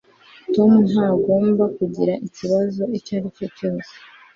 Tom ntagomba kugira ikibazo icyo aricyo cyose